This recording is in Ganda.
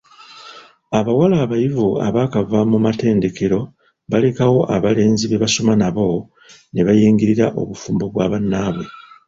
Abawala abayivu abaakava mu matendekero balekawo abalenzi be basoma nabo ne bayingirira obufumbo bwa bannaabwe.